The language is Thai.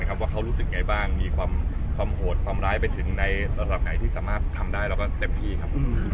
ว่าเขารู้สึกไงบ้างมีความโหดความร้ายไปถึงในระดับไหนที่สามารถทำได้แล้วก็เต็มที่ครับ